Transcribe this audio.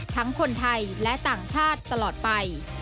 คนไทยและต่างชาติตลอดไป